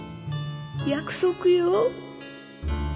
約束よ。